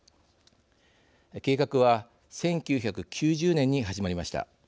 計画は１９９０年に始まりました。